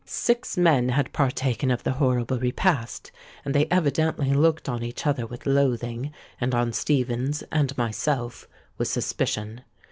Six men had partaken of the horrible repast; and they evidently looked on each other with loathing, and on Stephens and myself with suspicion.